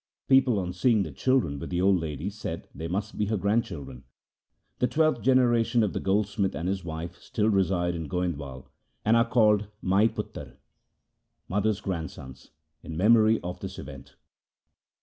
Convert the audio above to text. People on seeing the children with the old lady said they must be her grandchildren. The twelfth generation of the gold smith and his wife still reside in Goindwal, and are called Maipotre (mother's grandsons) in memory of this event.